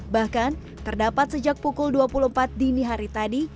bahkan terdapat sejak pukul dua puluh empat dini hari tadi